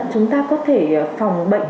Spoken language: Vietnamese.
chúng ta có thể phòng bệnh